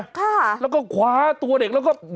ค่ะแล้วก็คว้าตัวเด็กแล้วก็